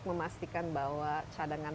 memastikan bahwa cadangan